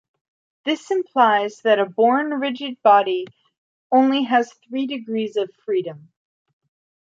This implies that a Born rigid body only has three degrees of freedom.